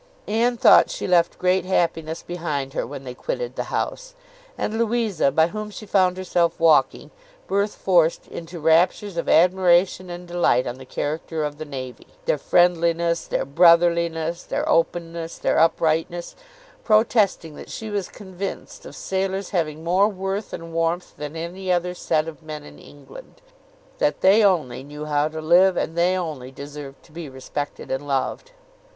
Anne thought she left great happiness behind her when they quitted the house; and Louisa, by whom she found herself walking, burst forth into raptures of admiration and delight on the character of the navy; their friendliness, their brotherliness, their openness, their uprightness; protesting that she was convinced of sailors having more worth and warmth than any other set of men in England; that they only knew how to live, and they only deserved to be respected and loved.